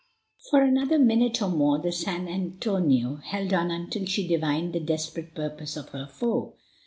For another minute or more the San Antonio held on until she divined the desperate purpose of her foe.